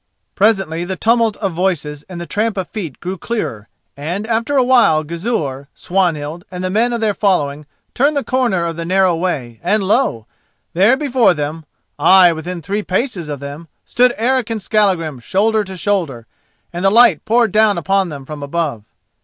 Presently the tumult of voices and the tramp of feet grew clearer, and after a while Gizur, Swanhild, and the men of their following turned the corner of the narrow way, and lo! there before them—ay within three paces of them—stood Eric and Skallagrim shoulder to shoulder, and the light poured down upon them from above.